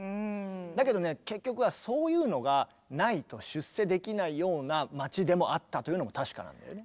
だけどね結局はそういうのがないと出世できないような街でもあったというのも確かなんだよね。